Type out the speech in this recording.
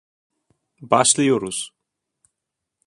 Başlıyoruz.